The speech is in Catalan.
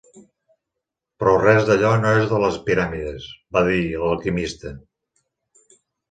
"Però res d'allò no és de les piràmides" va dir l'alquimista.